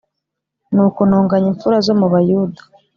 Nuko ntonganya impfura zo mu Bayuda